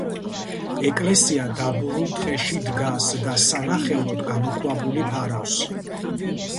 ეკლესია დაბურულ ტყეში დგას და სანახევროდ გამოქვაბული ფარავს.